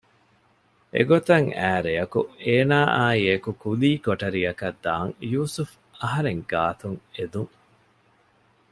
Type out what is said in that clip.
އެގޮތަށް އައި ރެޔަކު އޭނާއާއިއެކު ކުލީ ކޮޓަރިއަކަށް ދާން ޔޫސުފް އަހަރެން ގާތުން އެދުން